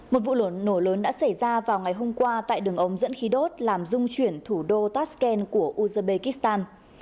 một vụ nổ lớn đã xảy ra vào ngày hôm qua tại đường ống dẫn khí đốt làm dung chuyển thủ đô tasken của uzbekistan